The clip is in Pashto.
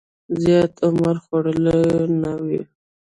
زیات عمر خوړلی نه وي.